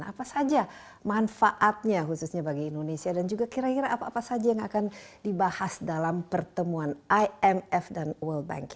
apa saja manfaatnya khususnya bagi indonesia dan juga kira kira apa apa saja yang akan dibahas dalam pertemuan imf dan world bank